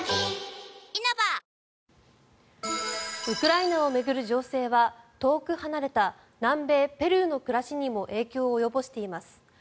ウクライナを巡る情勢は遠く離れた南米ペルーの暮らしにも影響を及ぼしています。